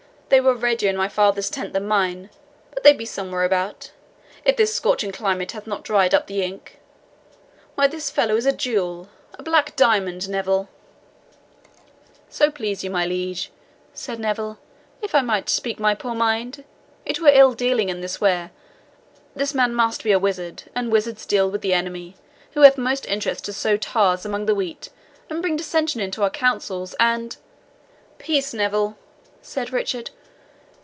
"They were readier in my father's tent than mine; but they be somewhere about, if this scorching climate have not dried up the ink. Why, this fellow is a jewel a black diamond, Neville." "So please you, my liege," said Neville, "if I might speak my poor mind, it were ill dealing in this ware. This man must be a wizard, and wizards deal with the Enemy, who hath most interest to sow tares among the wheat, and bring dissension into our councils, and " "Peace, Neville," said Richard.